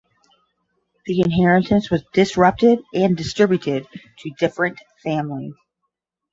The inheritance was disrupted and distributed to different families.